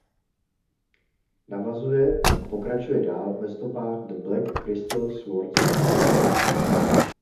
Navazuje a pokračuje dál ve stopách "The Black Crystal Sword Saga".